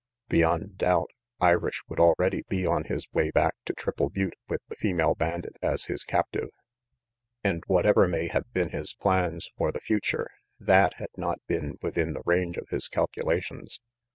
Beyond doubt, Irish would already be on his way back to Triple Butte with the female bandit as his captive. RANGY PETE 103 And whatever may have been his plans for the future, that had not been within the range of his calculations.